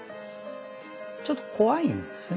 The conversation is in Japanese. ちょっと怖いんですよね